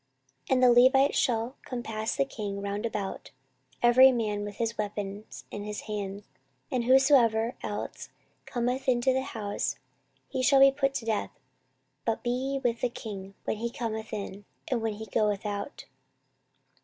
14:023:007 And the Levites shall compass the king round about, every man with his weapons in his hand; and whosoever else cometh into the house, he shall be put to death: but be ye with the king when he cometh in, and when he goeth out.